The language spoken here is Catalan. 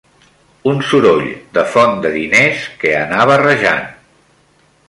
Un soroll de font de diners que anava rajant